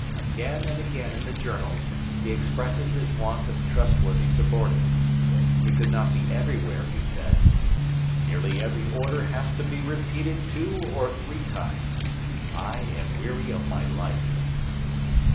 Again and again in the Journals he expresses his want of trustworthy subordinates. He could not be everywhere, he said. 'Nearly every order has to be repeated two or three times. I am weary of my life.'